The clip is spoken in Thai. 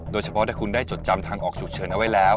โดยเฉพาะถ้าคุณได้จดจำทางออกฉุกเฉินเอาไว้แล้ว